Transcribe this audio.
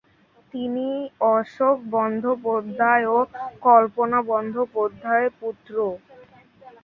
তিনি অশোক বন্দ্যোপাধ্যায় ও কল্পনা বন্দ্যোপাধ্যায়ের পুত্র।